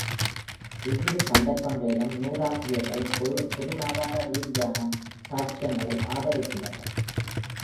இவ்விரு சந்தர்ப்பங்களிலும், நூலாசிரியர்கள் பொருளாதாரரீதியான சாட்சியங்களை ஆதரிக்கின்றனர்.